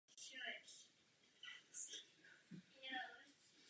Profesí je inženýrem.